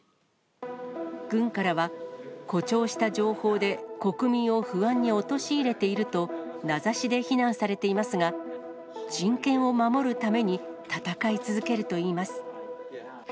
軍からは、誇張した情報で国民を不安に陥れていると、名指しで非難されていますが、人権を守るために戦い続けるといいます。